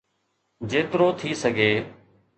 جيترو ٿي سگهي